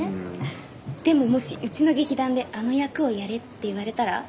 でももしうちの劇団であの役をやれって言われたら。